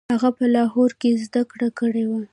هغه په لاهور کې زده کړې کړې وې.